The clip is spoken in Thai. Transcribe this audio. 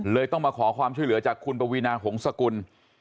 ต้องมาขอความช่วยเหลือจากคุณปวีนาหงษกุล